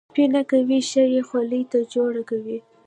سپینه کوي، ښه یې خولې ته جوړه کوي.